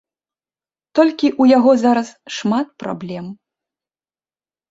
Толькі ў яго зараз шмат праблем.